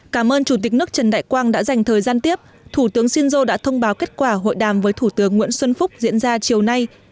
cảm ơn chủ tịch nước trần đại quang đã dành thời gian tiếp thủ tướng shinzo đã thông báo kết quả hội đàm với thủ tướng nguyễn xuân phúc diễn ra chiều nay